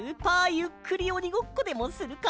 ゆっくりおにごっこでもするか？